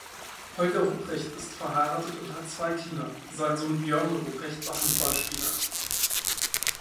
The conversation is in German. Holger Rupprecht ist verheiratet und hat zwei Kinder; sein Sohn Björn Rupprecht war Handballspieler.